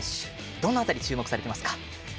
どの辺り、注目されていますか？